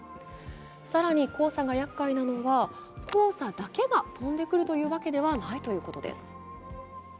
更に黄砂がやっかいなのは黄砂だけが飛んでくるわけではないということです。